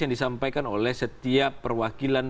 yang disampaikan oleh setiap perwakilan